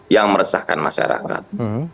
yang meresahkan masyarakat